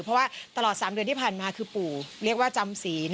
เพราะว่าตลอด๓เดือนที่ผ่านมาคือปู่เรียกว่าจำศีล